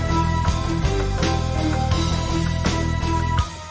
ก็ไม่น่าจะดังกึ่งนะ